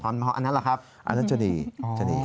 อันนั้นหรือครับอันนั้นจเนีย